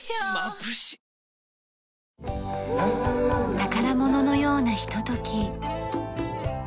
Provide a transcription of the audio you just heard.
宝物のようなひととき。